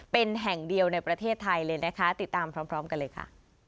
เป็นแห่งเดียวในประเทศไทยเลยนะคะติดตามพร้อมกันเลยค่ะ